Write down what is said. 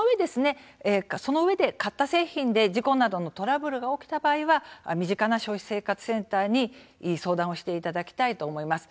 そのうえで買った製品で事故などのトラブルが起きた場合は身近な消費者生活センターに相談をしていただきたいと思います。